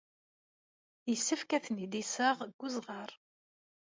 Yessefk ad tent-id-iseɣ deg uzɣar.